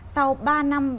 sau ba năm